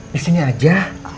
di sini aja